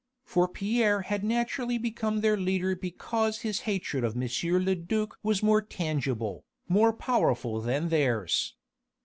For Pierre had naturally become their leader because his hatred of M. le duc was more tangible, more powerful than theirs.